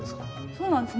そうなんです。